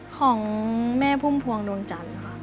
ของแม่พุ่มพวงดวงจันทร์ค่ะ